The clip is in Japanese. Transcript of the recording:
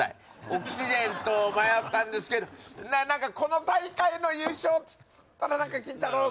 オキシジェンと迷ったんですけど何かこの大会の優勝っつったらキンタロー。